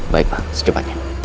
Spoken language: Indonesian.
baik pak secepatnya